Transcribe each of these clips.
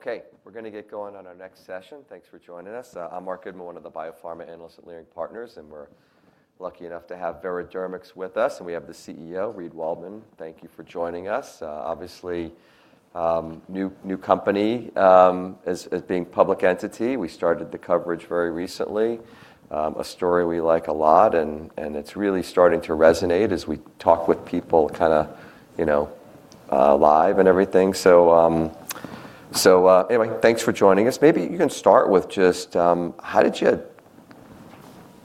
Great. Okay, we're gonna get going on our next session. Thanks for joining us. I'm Marc Goodman, one of the biopharma analysts at Leerink Partners, and we're lucky enough to have Veradermics with us, and we have the CEO, Reid Waldman. Thank you for joining us. Obviously, new company, as being public entity. We started the coverage very recently. A story we like a lot, and it's really starting to resonate as we talk with people kinda, you know, live and everything. Anyway, thanks for joining us. Maybe you can start with just, how did you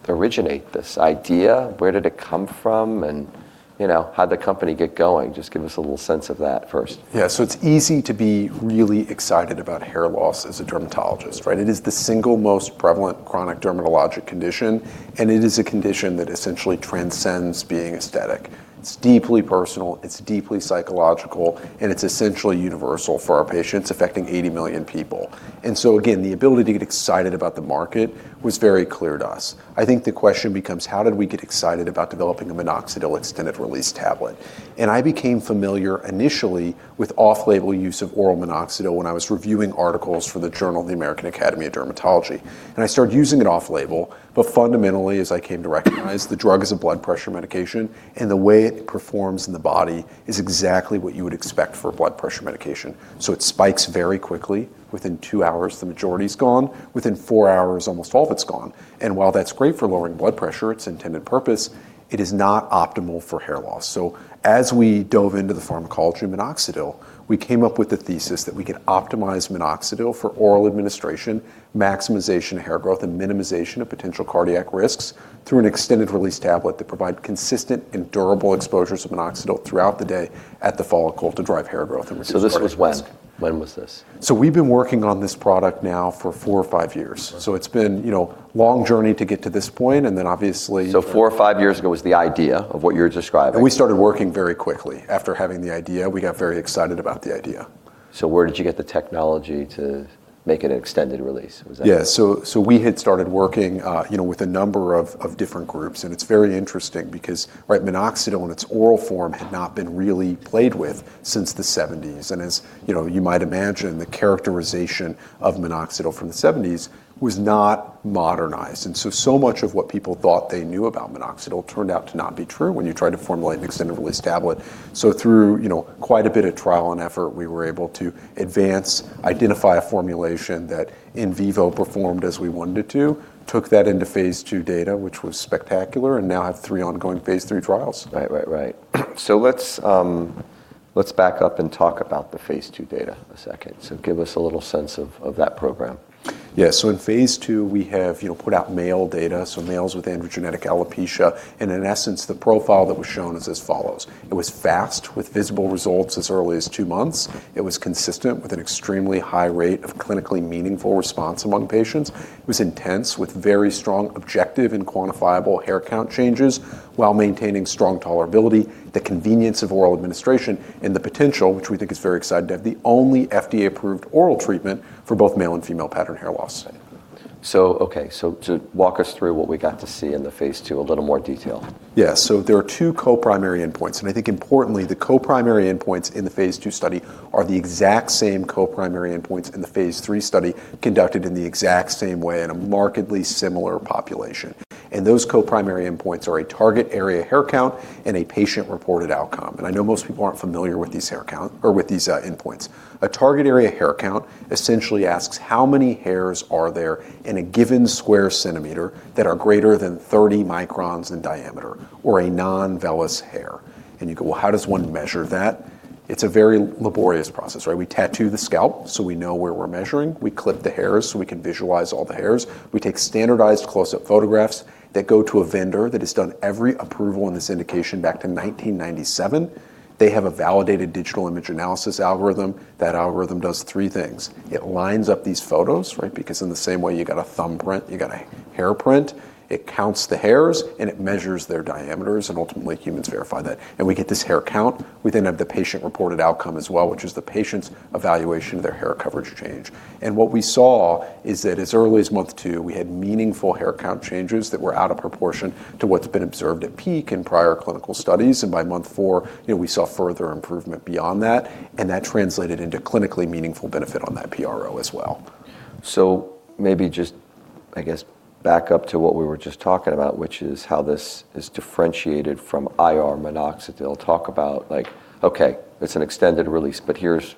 originate this idea? Where did it come from? And you know, how'd the company get going? Just give us a little sense of that first. Yeah. It's easy to be really excited about hair loss as a dermatologist, right? It is the single most prevalent chronic dermatologic condition, and it is a condition that essentially transcends being aesthetic. It's deeply personal, it's deeply psychological, and it's essentially universal for our patients, affecting 80 million people. Again, the ability to get excited about the market was very clear to us. I think the question becomes: How did we get excited about developing a minoxidil extended release tablet? I became familiar initially with off-label use of oral minoxidil when I was reviewing articles for the Journal of the American Academy of Dermatology. I started using it off-label, but fundamentally, as I came to recognize, the drug is a blood pressure medication, and the way it performs in the body is exactly what you would expect for a blood pressure medication. It spikes very quickly. Within two hours, the majority's gone. Within four hours, almost all of it's gone. While that's great for lowering blood pressure, its intended purpose, it is not optimal for hair loss. As we dove into the pharmacology of minoxidil, we came up with the thesis that we could optimize minoxidil for oral administration, maximization of hair growth, and minimization of potential cardiac risks through an extended-release tablet to provide consistent and durable exposures of minoxidil throughout the day at the follicle to drive hair growth and reduce cardiac risk. This was when? When was this? We've been working on this product now for four or five years. It's been, you know, long journey to get to this point, and then obviously- four or five years ago was the idea of what you're describing. We started working very quickly after having the idea. We got very excited about the idea. Where did you get the technology to make it an extended release? Was that- We had started working, you know, with a number of different groups, and it's very interesting because, right, minoxidil in its oral form had not been really played with since the seventies. As you know, you might imagine, the characterization of minoxidil from the seventies was not modernized, and so much of what people thought they knew about minoxidil turned out to not be true when you tried to formulate an extended release tablet. Through, you know, quite a bit of trial and error, we were able to advance, identify a formulation that in vivo performed as we wanted it to, took that into phase II data, which was spectacular, and now have three ongoing phase III trials. Right. Let's back up and talk about the phase II data a second. Give us a little sense of that program. Yeah. In phase II, we have, you know, put out male data, so males with androgenetic alopecia. In essence, the profile that was shown is as follows. It was fast, with visible results as early as two months. It was consistent, with an extremely high rate of clinically meaningful response among patients. It was intense, with very strong objective and quantifiable hair count changes, while maintaining strong tolerability, the convenience of oral administration, and the potential, which we think is very exciting, to have the only FDA-approved oral treatment for both male and female pattern hair loss. Just walk us through what we got to see in the phase II, a little more detail. Yeah, there are two co-primary endpoints, and I think importantly, the co-primary endpoints in the phase II study are the exact same co-primary endpoints in the phase III study, conducted in the exact same way in a markedly similar population. Those co-primary endpoints are a target area hair count and a patient-reported outcome. I know most people aren't familiar with these endpoints. A target area hair count essentially asks how many hairs are there in a given square centimeter that are greater than 30 microns in diameter or a non-vellus hair. You go, "Well, how does one measure that?" It's a very laborious process, right? We tattoo the scalp, so we know where we're measuring. We clip the hairs, so we can visualize all the hairs. We take standardized close-up photographs that go to a vendor that has done every approval in this indication back to 1997. They have a validated digital image analysis algorithm. That algorithm does three things. It lines up these photos, right? Because in the same way you got a thumbprint, you got a hair print. It counts the hairs, and it measures their diameters, and ultimately, humans verify that. We get this hair count. We then have the patient-reported outcome as well, which is the patient's evaluation of their hair coverage change. And what we saw is that as early as month two, we had meaningful hair count changes that were out of proportion to what's been observed at peak in prior clinical studies. By month four, you know, we saw further improvement beyond that, and that translated into clinically meaningful benefit on that PRO as well. So maybe just, I guess, back up to what we were just talking about, which is how this is differentiated from IR minoxidil. Talk about, like, okay, it's an extended release, but here's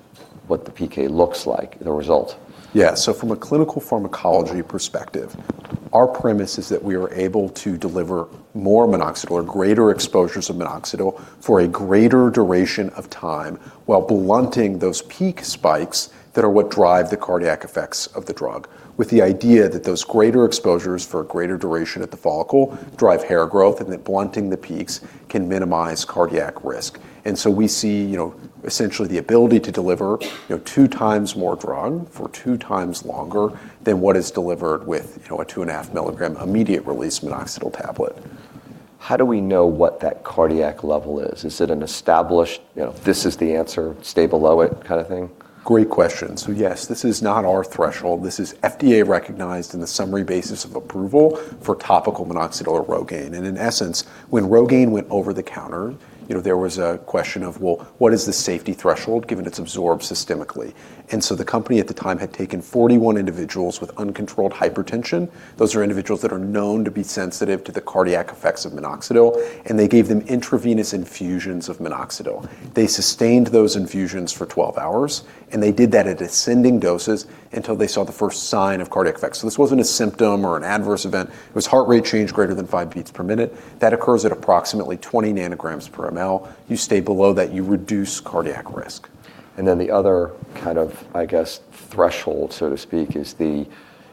what the PK looks like, the result. Yeah, from a clinical pharmacology perspective, our premise is that we are able to deliver more minoxidil or greater exposures of minoxidil for a greater duration of time while blunting those peak spikes that are what drive the cardiac effects of the drug, with the idea that those greater exposures for a greater duration at the follicle drive hair growth and that blunting the peaks can minimize cardiac risk. We see, you know, essentially the ability to deliver, you know, 2x more drug for 2x longer than what is delivered with, you know, a 2.5 mg immediate release minoxidil tablet. How do we know what that cardiac level is? Is it an established, you know, this is the answer, stay below it kind of thing? Great question. Yes, this is not our threshold. This is FDA recognized in the summary basis of approval for topical minoxidil or Rogaine. In essence, when Rogaine went over the counter, you know, there was a question of, well, what is the safety threshold given it's absorbed systemically? The company at the time had taken 41 individuals with uncontrolled hypertension. Those are individuals that are known to be sensitive to the cardiac effects of minoxidil, and they gave them intravenous infusions of minoxidil. They sustained those infusions for 12 hours, and they did that at ascending doses until they saw the first sign of cardiac effects. This wasn't a symptom or an adverse event, it was heart rate change greater than five beats per minute. That occurs at approximately 20 ng/mL. You stay below that, you reduce cardiac risk. The other kind of, I guess, threshold, so to speak, is the,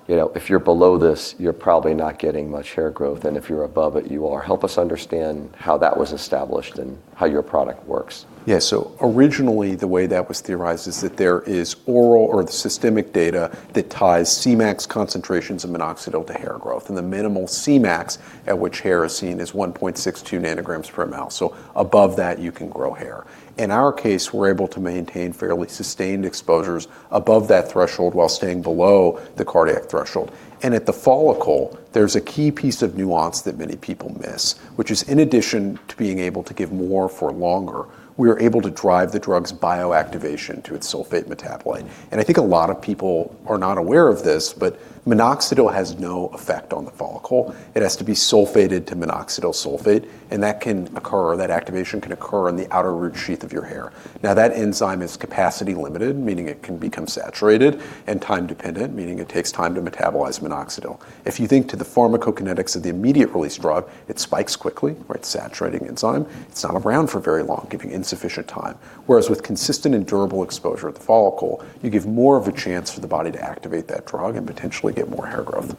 you know, if you're below this, you're probably not getting much hair growth, and if you're above it, you are. Help us understand how that was established and how your product works. Yeah. Originally the way that was theorized is that there is oral or the systemic data that ties Cmax concentrations of minoxidil to hair growth, and the minimal Cmax at which hair is seen is 1.62 ng/mL. Above that you can grow hair. In our case, we're able to maintain fairly sustained exposures above that threshold while staying below the cardiac threshold. At the follicle, there's a key piece of nuance that many people miss, which is in addition to being able to give more for longer, we are able to drive the drug's bioactivation to its sulfate metabolite. I think a lot of people are not aware of this, but minoxidil has no effect on the follicle. It has to be sulfated to minoxidil sulfate, and that can occur, or that activation can occur in the outer root sheath of your hair. Now, that enzyme is capacity limited, meaning it can become saturated and time dependent, meaning it takes time to metabolize minoxidil. If you think to the pharmacokinetics of the immediate release drug, it spikes quickly, right? Saturating enzyme. It's not around for very long, giving insufficient time. Whereas with consistent and durable exposure at the follicle, you give more of a chance for the body to activate that drug and potentially get more hair growth.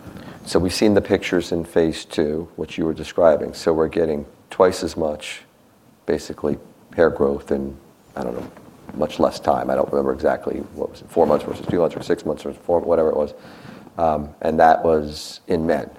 So we've seen the pictures in phase II, which you were describing. We're getting twice as much, basically hair growth in, I don't know, much less time. I don't remember exactly. What was it, four months versus two months or six months or four. Whatever it was. That was in men.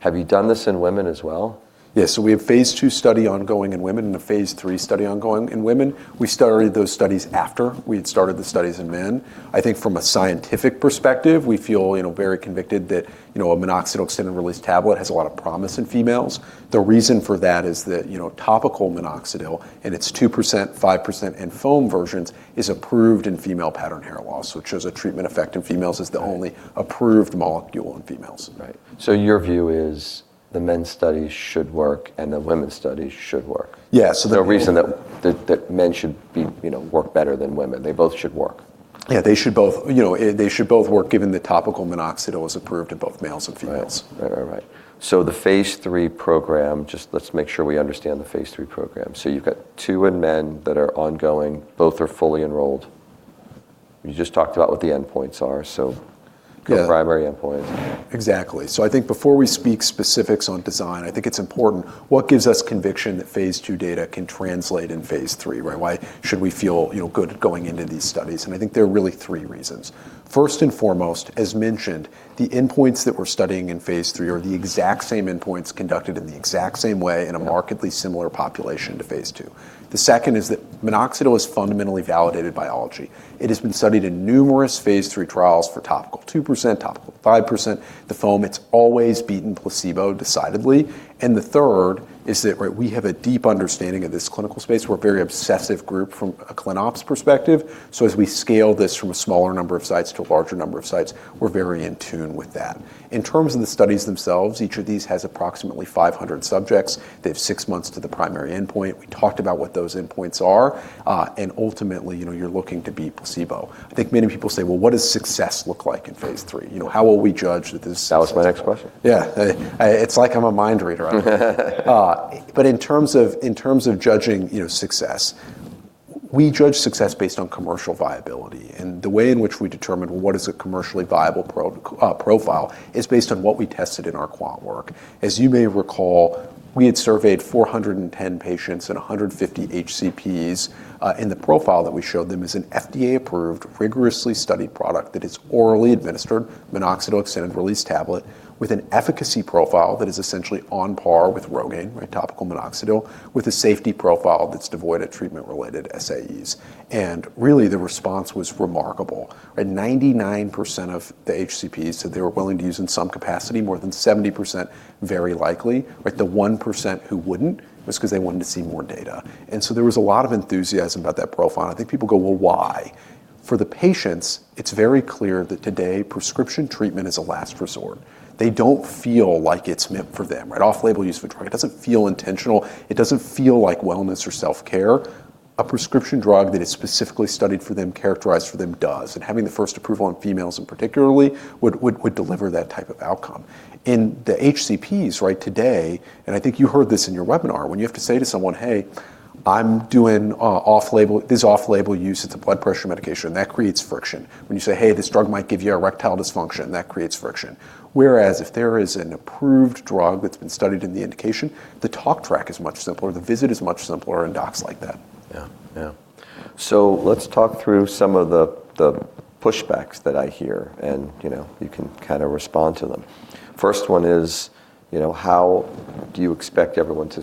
Have you done this in women as well? Yeah. We have phase II study ongoing in women and a phase III study ongoing in women. We started those studies after we had started the studies in men. I think from a scientific perspective, we feel, you know, very convicted that, you know, a minoxidil extended release tablet has a lot of promise in females. The reason for that is that, you know, topical minoxidil in its 2%, 5% in foam versions is approved in female pattern hair loss, which shows a treatment effect in females as the only approved molecule in females. Right. Your view is the men's studies should work and the women's studies should work. Yeah. No reason that men should, you know, work better than women. They both should work. Yeah. You know, they should both work given the topical minoxidil is approved in both males and females. Right. The phase III program, just let's make sure we understand the phase III program. You've got two in men that are ongoing, both are fully enrolled. You just talked about what the endpoints are. Yeah the primary endpoint. Exactly. I think before we speak specifics on design, I think it's important what gives us conviction that phase II data can translate in phase III, right? Why should we feel, you know, good going into these studies? I think there are really three reasons. First and foremost, as mentioned, the endpoints that we're studying in phase III are the exact same endpoints conducted in the exact same way in a markedly similar population to phase II. The second is that minoxidil is fundamentally validated biology. It has been studied in numerous phase III trials for topical 2%, topical 5%, the foam. It's always beaten placebo decidedly. And the third is that, right, we have a deep understanding of this clinical space. We're a very obsessive group from a Clin Ops perspective. As we scale this from a smaller number of sites to a larger number of sites, we're very in tune with that. In terms of the studies themselves, each of these has approximately 500 subjects. They have six months to the primary endpoint. We talked about what those endpoints are. Ultimately, you know, you're looking to beat placebo. I think many people say, "Well, what does success look like in phase III?" You know, how will we judge that this. That was my next question. Yeah. It's like I'm a mind reader, Adam. But in terms of judging, you know, success, we judge success based on commercial viability and the way in which we determine what is a commercially viable profile is based on what we tested in our quant work. As you may recall, we had surveyed 410 patients and 150 HCPs, and the profile that we showed them is an FDA-approved, rigorously studied product that is orally administered minoxidil extended release tablet with an efficacy profile that is essentially on par with Rogaine, right? Topical minoxidil with a safety profile that's devoid of treatment-related SAEs. Really the response was remarkable, right? 99% of the HCPs said they were willing to use in some capacity, more than 70% very likely, right? The 1% who wouldn't was 'cause they wanted to see more data. There was a lot of enthusiasm about that profile. I think people go, "Well, why?" For the patients, it's very clear that today prescription treatment is a last resort. They don't feel like it's meant for them, right? Off-label use of a drug, it doesn't feel intentional. It doesn't feel like wellness or self-care. A prescription drug that is specifically studied for them, characterized for them does, and having the first approval in females in particularly would deliver that type of outcome. In the HCPs right today, and I think you heard this in your webinar, when you have to say to someone, "Hey, I'm doing off-label. This is off-label use. It's a blood pressure medication," that creates friction. When you say, "Hey, this drug might give you erectile dysfunction," that creates friction. Whereas if there is an approved drug that's been studied in the indication, the talk track is much simpler. The visit is much simpler, and docs like that. Yeah. Yeah. Let's talk through some of the pushbacks that I hear, and, you know, you can kinda respond to them. First one is, you know, how do you expect everyone to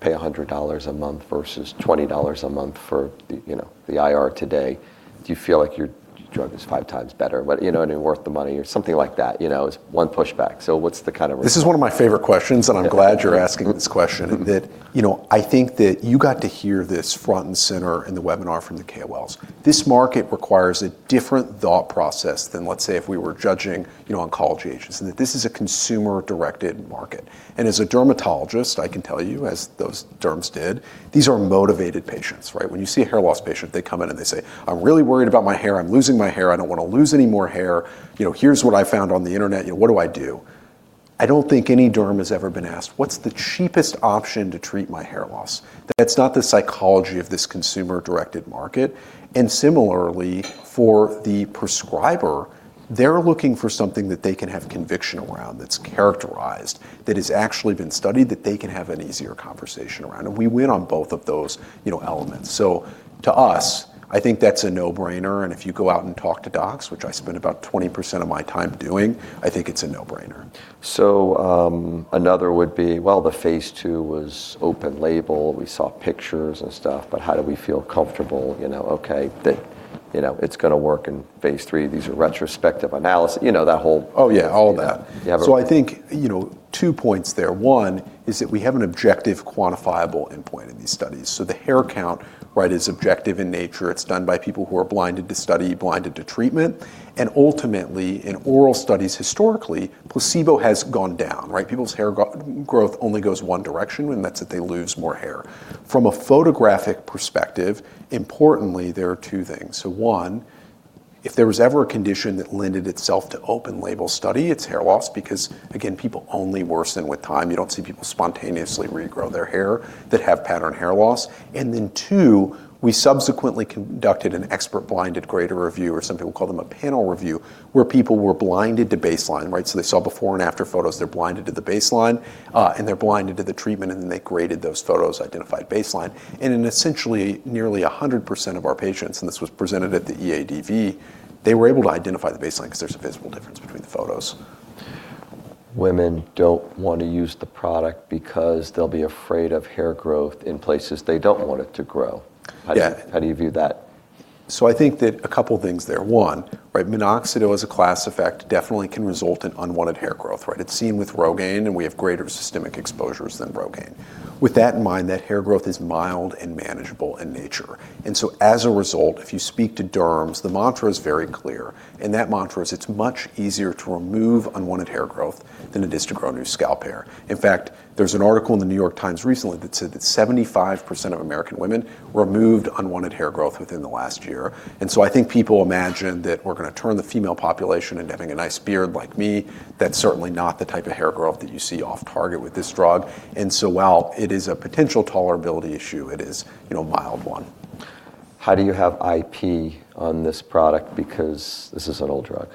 pay $100 a month versus $20 a month for the, you know, the IR today? Do you feel like your drug is 5x better? But you know, and worth the money or something like that, you know, is one pushback. What's the kind of This is one of my favorite questions, and I'm glad you're asking this question. That, you know, I think that you got to hear this front and center in the webinar from the KOLs. This market requires a different thought process than, let's say, if we were judging, you know, oncology agents, and that this is a consumer-directed market. As a dermatologist, I can tell you, as those derms did, these are motivated patients, right? When you see a hair loss patient, they come in and they say, "I'm really worried about my hair. I'm losing my hair. I don't wanna lose any more hair. You know, here's what I found on the internet. You know, what do I do?" I don't think any derm has ever been asked, "What's the cheapest option to treat my hair loss?" That's not the psychology of this consumer-directed market. Similarly, for the prescriber, they're looking for something that they can have conviction around, that's characterized, that has actually been studied, that they can have an easier conversation around. We win on both of those, you know, elements. To us, I think that's a no-brainer, and if you go out and talk to docs, which I spend about 20% of my time doing, I think it's a no-brainer. So another would be, well, the phase II was open label. We saw pictures and stuff, but how do we feel comfortable, you know, okay, that, you know, it's gonna work in phase III? These are retrospective analysis, you know, that whole. Oh, yeah, all of that. Yeah, but. So i think, you know, two points there. One is that we have an objective quantifiable endpoint in these studies. The hair count, right, is objective in nature. It's done by people who are blinded to study, blinded to treatment. Ultimately, in oral studies historically, placebo has gone down, right? People's hair growth only goes one direction, and that's that they lose more hair. From a photographic perspective, importantly, there are two things. One, if there was ever a condition that lent itself to open label study, it's hair loss, because again, people only worsen with time. You don't see people spontaneously regrow their hair that have pattern hair loss. And then two, we subsequently conducted an expert blinded grader review, or some people call them a panel review, where people were blinded to baseline, right? They saw before and after photos, they're blinded to the baseline, and they're blinded to the treatment, and then they graded those photos, identified baseline. In essentially nearly 100% of our patients, and this was presented at the EADV, they were able to identify the baseline 'cause there's a visible difference between the photos. Women don't wanna use the product because they'll be afraid of hair growth in places they don't want it to grow. Yeah. How do you view that? I think that a couple things there. One, right, minoxidil as a class effect definitely can result in unwanted hair growth, right? It's seen with Rogaine, and we have greater systemic exposures than Rogaine. With that in mind, that hair growth is mild and manageable in nature. As a result, if you speak to derms, the mantra is very clear, and that mantra is it's much easier to remove unwanted hair growth than it is to grow new scalp hair. In fact, there's an article in The New York Times recently that said that 75% of American women removed unwanted hair growth within the last year. I think people imagine that we're gonna turn the female population into having a nice beard like me. That's certainly not the type of hair growth that you see off target with this drug. While it is a potential tolerability issue, it is, you know, a mild one. How do you have IP on this product because this is an old drug?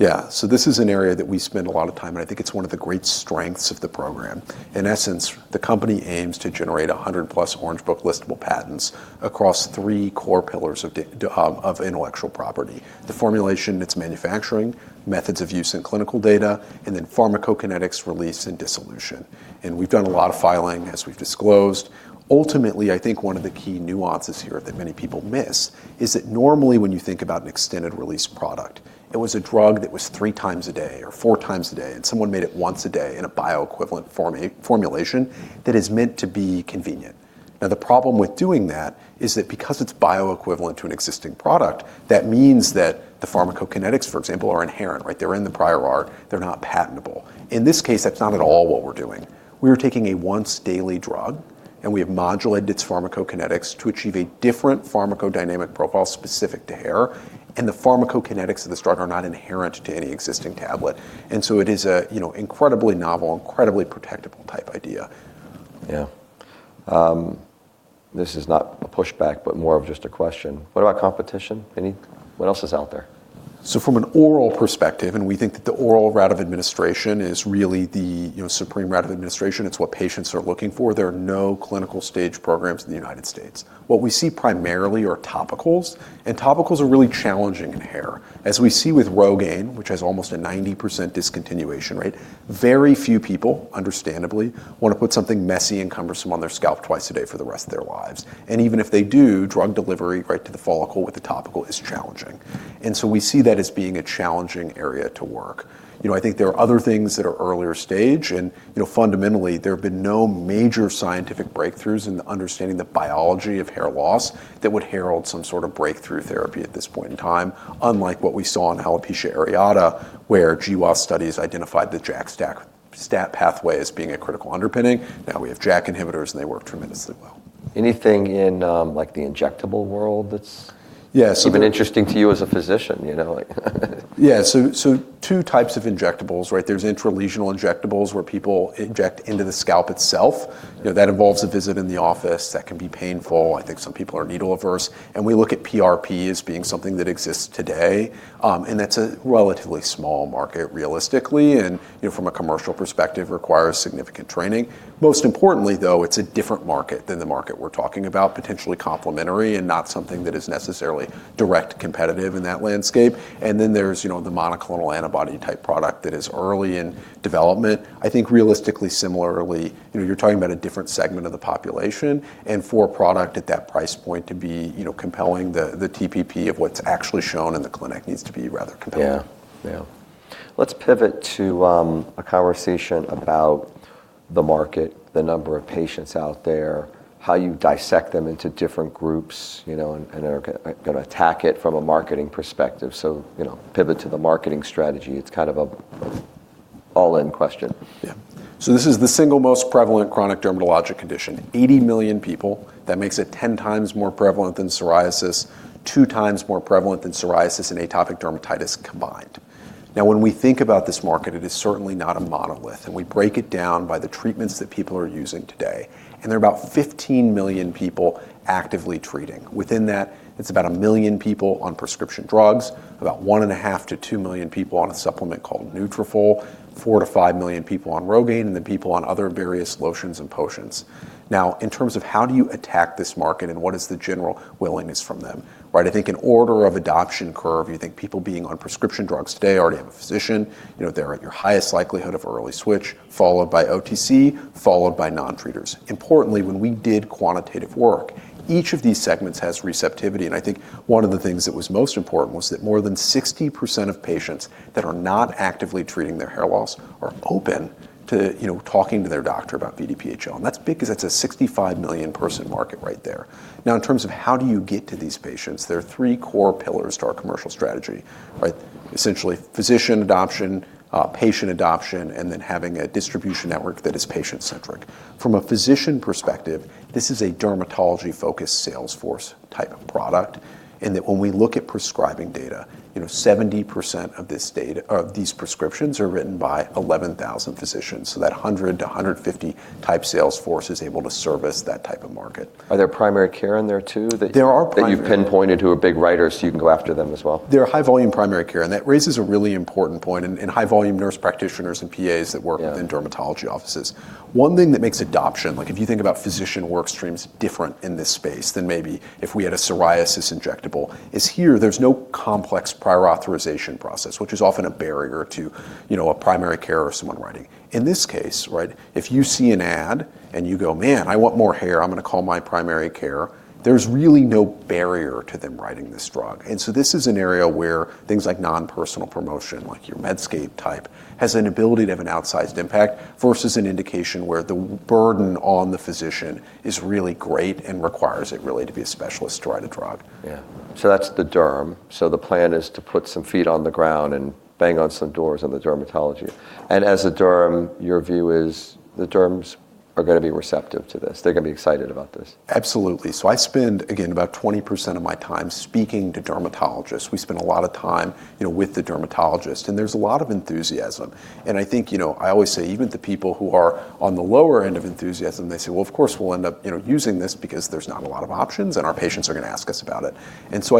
Yeah. This is an area that we spend a lot of time, and I think it's one of the great strengths of the program. In essence, the company aims to generate 100 plus Orange Book listable patents across three core pillars of intellectual property. The formulation, its manufacturing, methods of use and clinical data, and then pharmacokinetics release and dissolution. We've done a lot of filing as we've disclosed. Ultimately, I think one of the key nuances here that many people miss is that normally when you think about an extended release product, it was a drug that was three times a day or four times a day, and someone made it one time a day in a bioequivalent formulation that is meant to be convenient. Now, the problem with doing that is that because it's bioequivalent to an existing product, that means that the pharmacokinetics, for example, are inherent, right? They're in the prior art, they're not patentable. In this case, that's not at all what we're doing. We are taking a once daily drug, and we have modulated its pharmacokinetics to achieve a different pharmacodynamic profile specific to hair, and the pharmacokinetics of this drug are not inherent to any existing tablet. It is a, you know, incredibly novel, incredibly protectable type idea. Yeah. This is not a pushback, but more of just a question. What about competition? What else is out there? From an oral perspective, and we think that the oral route of administration is really the, you know, supreme route of administration. It's what patients are looking for. There are no clinical stage programs in the United States. What we see primarily are topicals, and topicals are really challenging in hair. As we see with Rogaine, which has almost a 90% discontinuation rate, very few people, understandably, wanna put something messy and cumbersome on their scalp twice a day for the rest of their lives. Even if they do, drug delivery right to the follicle with the topical is challenging. And so we see that as being a challenging area to work. You know, I think there are other things that are earlier stage and, you know, fundamentally, there have been no major scientific breakthroughs in understanding the biology of hair loss that would herald some sort of breakthrough therapy at this point in time, unlike what we saw in alopecia areata, where GWAS studies identified the JAK-STAT pathway as being a critical underpinning. Now we have JAK inhibitors, and they work tremendously well. Anything in, like the injectable world that's? Yeah, so- even interesting to you as a physician, you know, like. Two types of injectables, right? There's intralesional injectables, where people inject into the scalp itself. You know, that involves a visit in the office. That can be painful. I think some people are needle averse. We look at PRP as being something that exists today. That's a relatively small market realistically, and, you know, from a commercial perspective, requires significant training. Most importantly, though, it's a different market than the market we're talking about, potentially complementary and not something that is necessarily direct competitive in that landscape. And there's, you know, the monoclonal antibody type product that is early in development. I think realistically similarly, you know, you're talking about a different segment of the population, and for a product at that price point to be, you know, compelling, the TPP of what's actually shown in the clinic needs to be rather compelling. Yeah. Yeah. Let's pivot to a conversation about the market, the number of patients out there, how you dissect them into different groups, you know, and are gonna attack it from a marketing perspective. You know, pivot to the marketing strategy. It's kind of an all-in question. Yeah. This is the single most prevalent chronic dermatologic condition. 80 million people, that makes it 10x more prevalent than psoriasis, 2x more prevalent than psoriasis and atopic dermatitis combined. Now, when we think about this market, it is certainly not a monolith, and we break it down by the treatments that people are using today, and there are about 15 million people actively treating. Within that, it's about 1 million people on prescription drugs, about 1.5 million-2 million people on a supplement called Nutrafol, 4 million-5 million people on Rogaine, and then people on other various lotions and potions. Now, in terms of how do you attack this market and what is the general willingness from them, right? I think an order of adoption curve, you think people being on prescription drugs today already have a physician. You know, they're at your highest likelihood of early switch, followed by OTC, followed by non-treaters. Importantly, when we did quantitative work, each of these segments has receptivity, and I think one of the things that was most important was that more than 60% of patients that are not actively treating their hair loss are open to, you know, talking to their doctor about VD-101, and that's big 'cause that's a 65 million person market right there. Now, in terms of how do you get to these patients, there are three core pillars to our commercial strategy. Right. Essentially, physician adoption, patient adoption, and then having a distribution network that is patient-centric. From a physician perspective, this is a dermatology-focused sales force type of product in that when we look at prescribing data, you know, 70% of this data, these prescriptions are written by 11,000 physicians, so that 100-150 type sales force is able to service that type of market. Are there primary care in there too? There are primary care. that you've pinpointed who are big writers, so you can go after them as well? There are high volume primary care, and that raises a really important point in high volume nurse practitioners and PAs that work. Yeah ...in dermatology offices. One thing that makes adoption, like if you think about physician workflow's different in this space than maybe if we had a psoriasis injectable, is here, there's no complex prior authorization process, which is often a barrier to, you know, a primary care or someone writing. In this case, right, if you see an ad and you go, "Man, I want more hair. I'm gonna call my primary care," there's really no barrier to them writing this drug. This is an area where things like non-personal promotion, like your Medscape type, has an ability to have an outsized impact versus an indication where the burden on the physician is really great and requires it really to be a specialist to write a drug. Yeah. That's the derm. The plan is to put some feet on the ground and bang on some doors in the dermatology. As a derm, your view is the derms are gonna be receptive to this. They're gonna be excited about this. Absolutely. I spend, again, about 20% of my time speaking to dermatologists. We spend a lot of time, you know, with the dermatologist, and there's a lot of enthusiasm. I think, you know, I always say, even the people who are on the lower end of enthusiasm, they say, "Well, of course, we'll end up, you know, using this because there's not a lot of options, and our patients are gonna ask us about it."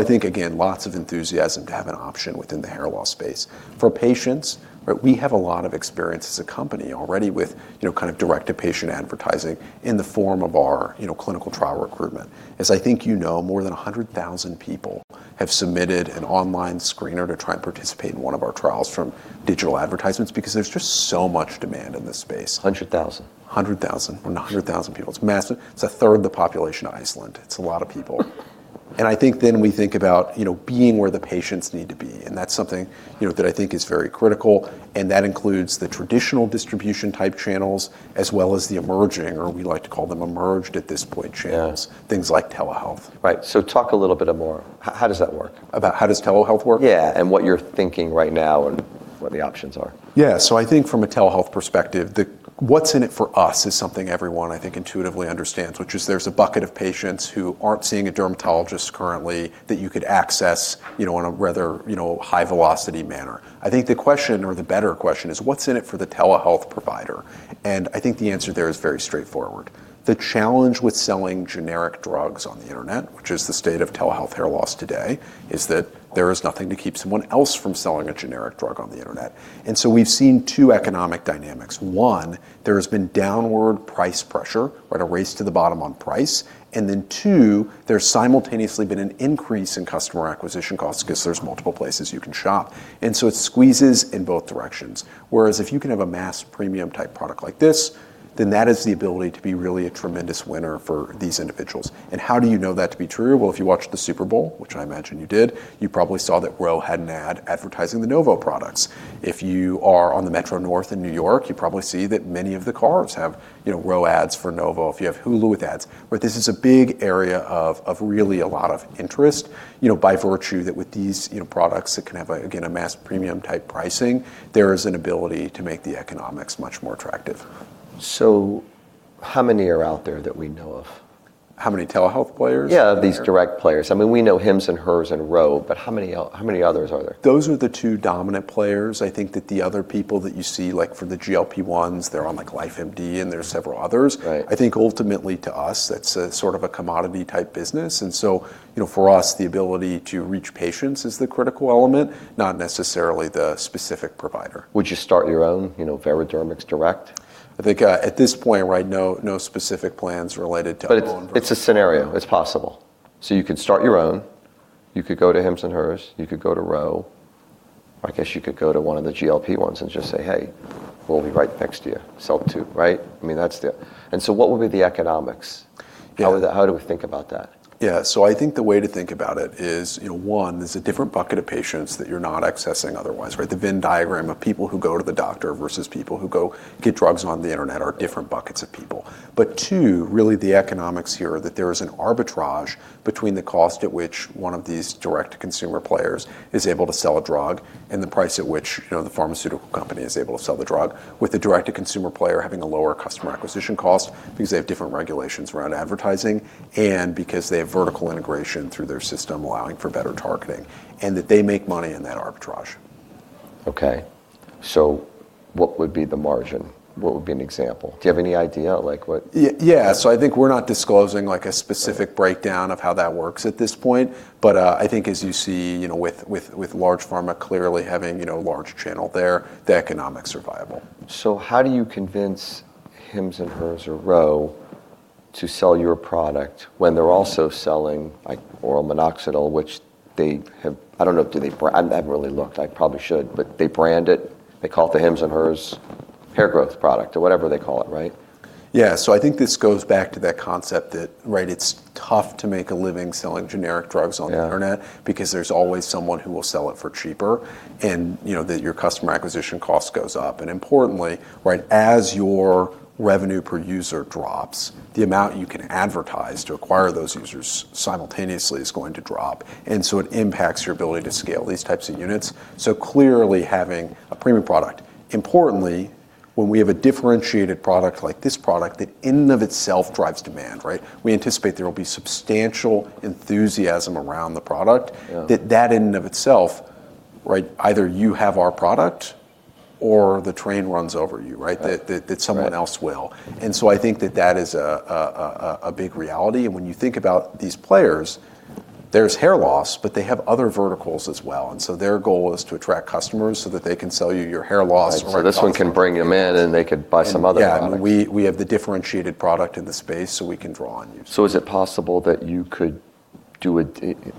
I think, again, lots of enthusiasm to have an option within the hair loss space. For patients, right, we have a lot of experience as a company already with, you know, kind of direct-to-patient advertising in the form of our, you know, clinical trial recruitment. As I think you know, more than 100,000 people have submitted an online screener to try and participate in one of our trials from digital advertisements because there's just so much demand in this space. 100,000. 100,000. 100,000 people. It's massive. It's a third the population of Iceland. It's a lot of people. I think then we think about, you know, being where the patients need to be, and that's something, you know, that I think is very critical, and that includes the traditional distribution type channels as well as the emerging, or we like to call them emerged at this point, channels. Things like telehealth. Right. Talk a little bit more. How does that work? About how does telehealth work? Yeah, what you're thinking right now and what the options are. Yeah. I think from a telehealth perspective, the what's in it for us is something everyone, I think, intuitively understands, which is there's a bucket of patients who aren't seeing a dermatologist currently that you could access, you know, in a rather, you know, high velocity manner. I think the question, or the better question is, what's in it for the telehealth provider? I think the answer there is very straightforward. The challenge with selling generic drugs on the internet, which is the state of telehealth hair loss today, is that there is nothing to keep someone else from selling a generic drug on the internet. We've seen two economic dynamics. One, there has been downward price pressure or a race to the bottom on price. Two, there's simultaneously been an increase in customer acquisition costs 'cause there's multiple places you can shop. And so it squeezes in both directions. Whereas if you can have a mass premium type product like this, then that is the ability to be really a tremendous winner for these individuals. How do you know that to be true? Well, if you watched the Super Bowl, which I imagine you did, you probably saw that Ro had an ad advertising the Novo products. If you are on the Metro-North in New York, you probably see that many of the cars have, you know, Ro ads for Novo. If you have Hulu with ads. This is a big area of really a lot of interest, you know, by virtue that with these, you know, products that can have a, again, a mass premium type pricing, there is an ability to make the economics much more attractive. So how many are out there that we know of? How many telehealth players? Yeah, these direct players. I mean, we know Hims & Hers and Ro, but how many others are there? Those are the two dominant players. I think that the other people that you see, like for the GLP-1s, they're on like LifeMD, and there are several others. Right. I think ultimately to us, that's a sort of a commodity type business. You know, for us, the ability to reach patients is the critical element, not necessarily the specific provider. Would you start your own, you know, Veradermics direct? I think, at this point, right, no specific plans related to own brand. It's a scenario. It's possible. You could start your own, you could go to Hims & Hers, you could go to Ro. I guess you could go to one of the GLP ones and just say, "Hey, we'll be right next to you, so too, right?" I mean, that's the. What would be the economics? Yeah. How do we think about that? Yeah. I think the way to think about it is, you know, one, there's a different bucket of patients that you're not accessing otherwise, right? The Venn diagram of people who go to the doctor versus people who go get drugs on the internet are different buckets of people. Two, really the economics here are that there is an arbitrage between the cost at which one of these direct consumer players is able to sell a drug and the price at which, you know, the pharmaceutical company is able to sell the drug. With the direct to consumer player having a lower customer acquisition cost because they have different regulations around advertising and because they have vertical integration through their system, allowing for better targeting, and that they make money in that arbitrage. Okay. What would be the margin? What would be an example? Do you have any idea? Like, what. Yeah. I think we're not disclosing, like, a specific breakdown of how that works at this point, but I think as you see, you know, with large pharma clearly having, you know, a large channel there, the economics are viable. How do you convince Hims & Hers or Ro to sell your product when they're also selling, like, oral minoxidil, which they have? I don't know, do they? I've, I haven't really looked. I probably should. They brand it, they call it the Hims & Hers Hair Growth product or whatever they call it, right? Yeah, I think this goes back to that concept that, right, it's tough to make a living selling generic drugs on the internet. Yeah Because there's always someone who will sell it for cheaper and, you know, that your customer acquisition cost goes up, and importantly, right, as your revenue per user drops, the amount you can advertise to acquire those users simultaneously is going to drop, and so it impacts your ability to scale these types of units, so clearly having a premium product. Importantly, when we have a differentiated product like this product, that in and of itself drives demand, right? We anticipate there will be substantial enthusiasm around the product. Yeah that in and of itself, right, either you have our product or the train runs over you, right? Right. That someone else. And so I think that is a big reality, and when you think about these players, there's hair loss, but they have other verticals as well, and so their goal is to attract customers so that they can sell you your hair loss or This one can bring them in and they could buy some other products. Yeah, we have the differentiated product in the space, so we can draw on users.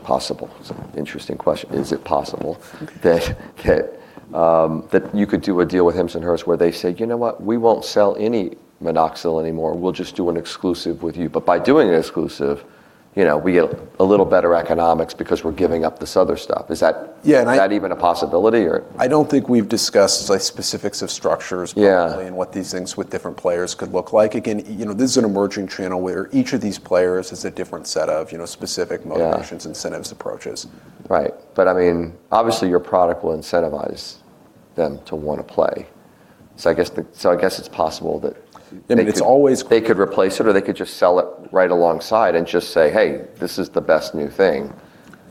Possible is an interesting question. Is it possible that you could do a deal with Hims & Hers where they say, "You know what? We won't sell any minoxidil anymore. We'll just do an exclusive with you, but by doing an exclusive, you know, we get a little better economics because we're giving up this other stuff." Is that- Yeah. Is that even a possibility or? I don't think we've discussed the specifics of structures particularly. Yeah what these things with different players could look like. Again, you know, this is an emerging channel where each of these players has a different set of, you know, specific motivations. Yeah Incentives, approaches. Right. I mean, obviously your product will incentivize them to wanna play, so I guess it's possible that- I mean, it's always. They could replace it or they could just sell it right alongside and just say, "Hey, this is the best new thing.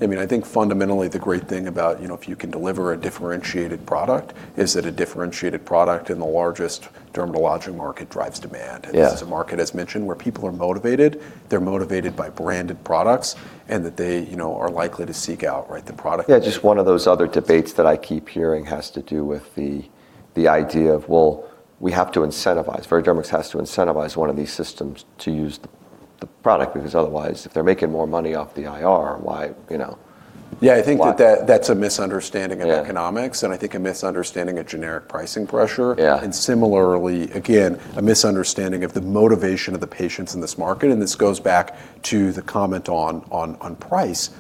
I mean, I think fundamentally the great thing about, you know, if you can deliver a differentiated product is that a differentiated product in the largest dermatologic market drives demand. Yeah. This is a market, as mentioned, where people are motivated, they're motivated by branded products and that they, you know, are likely to seek out, right, the product. Yeah, just one of those other debates that I keep hearing has to do with the idea of, well, we have to incentivize, Veradermics has to incentivize one of these systems to use the product, because otherwise if they're making more money off the IR, why? You know. Yeah, I think that. Why? That's a misunderstanding of economics. And i think a misunderstanding of generic pricing pressure. Yeah. Similarly, again, a misunderstanding of the motivation of the patients in this market, and this goes back to the comment on price.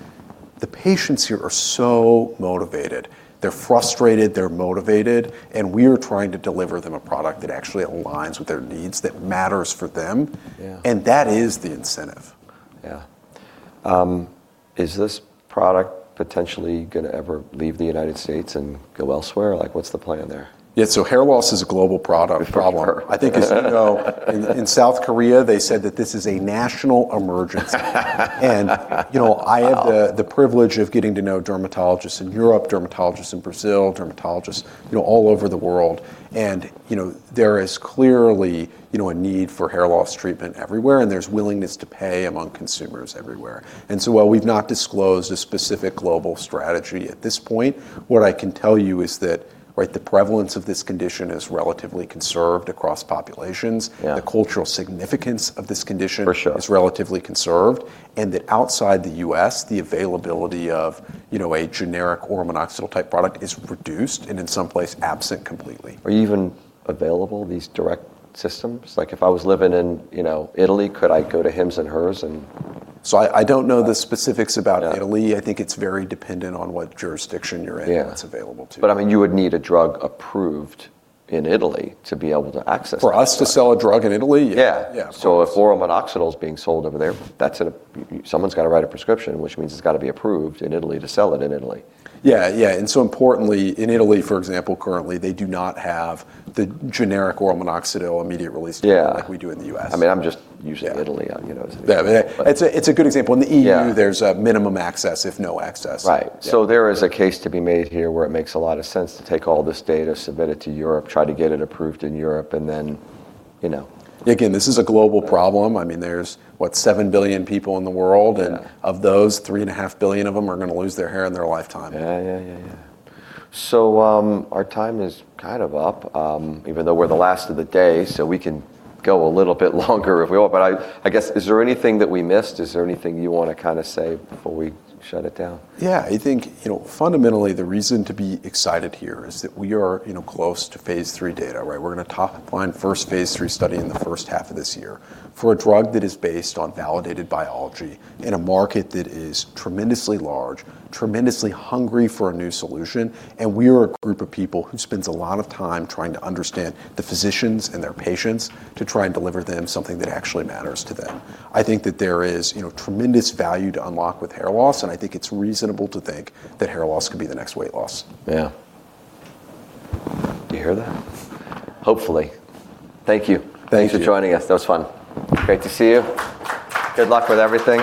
The patients here are so motivated. They're frustrated, they're motivated, and we're trying to deliver them a product that actually aligns with their needs, that matters for them. Yeah. That is the incentive. Yeah. Is this product potentially gonna ever leave the United States and go elsewhere? Like, what's the plan there? Yeah, hair loss is a global problem. I think as you know, in South Korea they said that this is a national emergency. And you know, I have the privilege of getting to know dermatologists in Europe, dermatologists in Brazil, dermatologists, you know, all over the world, and, you know, there is clearly, you know, a need for hair loss treatment everywhere and there's willingness to pay among consumers everywhere. While we've not disclosed a specific global strategy at this point, what I can tell you is that, right, the prevalence of this condition is relatively conserved across populations. Yeah. The cultural significance of this condition. For sure. is relatively conserved, and that outside the U.S., the availability of, you know, a generic or minoxidil type product is reduced and in some places absent completely. Are you even available, these direct systems? Like, if I was living in, you know, Italy, could I go to Hims & Hers and? I don't know the specifics about Italy. Yeah. I think it's very dependent on what jurisdiction you're in. Yeah what it's available to. I mean, you would need a drug approved in Italy to be able to access that. For us to sell a drug in Italy? Yeah. Yeah. If oral minoxidil is being sold over there, someone's gotta write a prescription, which means it's gotta be approved in Italy to sell it in Italy. Importantly, in Italy, for example, currently they do not have the generic oral minoxidil immediate release. Yeah like we do in the U.S. I mean, I'm just using Italy, you know, as an example. Yeah. It's a good example. In the EU. Yeah There's a minimum access if no access. Right. So there is a case to be made here where it makes a lot of sense to take all this data, submit it to Europe, try to get it approved in Europe, and then, you know. Again, this is a global problem. I mean, there's what? 7 billion people in the world. Yeah of those, 3.5 billion of them are gonna lose their hair in their lifetime. Yeah. Our time is kind of up, even though we're the last of the day, so we can go a little bit longer if we want, but I guess, is there anything that we missed? Is there anything you wanna kinda say before we shut it down? Yeah. I think, you know, fundamentally the reason to be excited here is that we are, you know, close to phase III data, right? We're gonna top line first phase III study in the first half of this year for a drug that is based on validated biology in a market that is tremendously large, tremendously hungry for a new solution, and we are a group of people who spends a lot of time trying to understand the physicians and their patients to try and deliver them something that actually matters to them. I think that there is, you know, tremendous value to unlock with hair loss, and I think it's reasonable to think that hair loss could be the next weight loss. Yeah. Do you hear that? Hopefully. Thank you. Thank you. Thanks for joining us. That was fun. Great to see you. Good luck with everything.